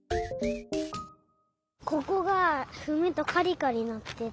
ここがふむとカリカリなってた。